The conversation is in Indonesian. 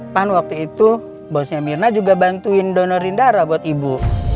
pan waktu itu bosnya mirna juga bantuin donor rindara buat ibu